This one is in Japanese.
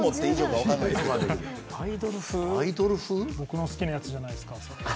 僕の好きなやつじゃないですか。